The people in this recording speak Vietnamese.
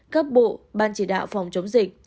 các bộ ban chỉ đạo phòng chống dịch